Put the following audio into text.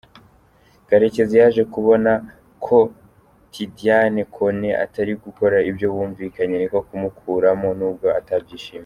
Karekezi yaje kubona ko Tidiane Kone atari gukora ibyo bumvikanye niko kumukuramo nubwo atabyishimiye.